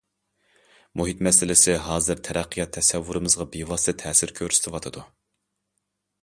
مۇھىت مەسىلىسى ھازىر تەرەققىيات تەسەۋۋۇرىمىزغا بىۋاسىتە تەسىر كۆرسىتىۋاتىدۇ.